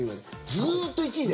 ずっと１位で。